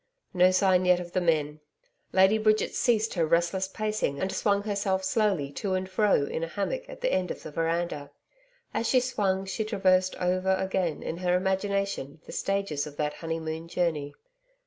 No sign yet of the men. Lady Bridget ceased her restless pacing and swung herself slowly to and fro in a hammock at the end of the veranda. As she swung she traversed over again in her imagination the stages of that honeymoon journey.